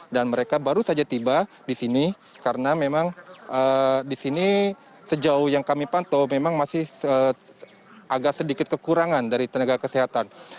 dan mereka baru saja tiba di sini karena memang di sini sejauh yang kami pantau memang masih agak sedikit kekurangan dari tenaga kesehatan